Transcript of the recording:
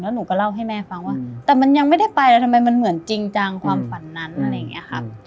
หนูก็เล่าให้แม่ฟังว่าแต่มันยังไม่ได้ไปแล้วทำไมมันเหมือนจริงจังความฝันนั้นอะไรอย่างนี้ครับ